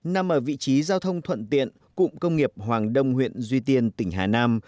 nằm ở vị trí giao thông thuận tiện cụm công nghiệp hoàng đông huyện duy tiên tỉnh hà nam